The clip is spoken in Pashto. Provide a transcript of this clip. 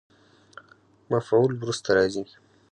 مفعول وروسته راځي.